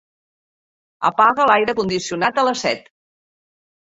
Apaga l'aire condicionat a les set.